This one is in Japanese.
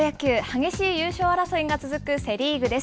激しい優勝争いが続くセ・リーグです。